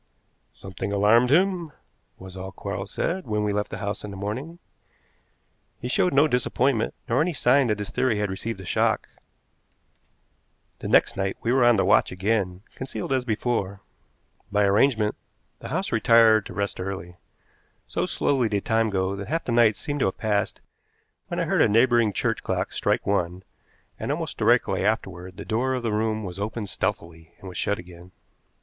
"Something alarmed him," was all Quarles said when we left the house in the morning. He showed no disappointment, nor any sign that his theory had received a shock. The next night we were on the watch again, concealed as before. By arrangement, the house retired to rest early. So slowly did time go that half the night seemed to have passed when I heard a neighboring church clock strike one, and almost directly afterward the door of the room was opened stealthily and was shut again.